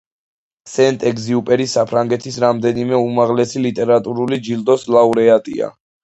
სენტ-ეგზიუპერი საფრანგეთის რამდენიმე უმაღლესი ლიტერატურული ჯილდოს ლაურეატია.